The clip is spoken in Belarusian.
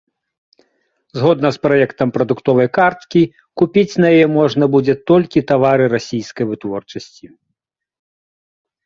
Згодна з праектам прадуктовай карткі, купіць на яе можна будзе толькі тавары расійскай вытворчасці.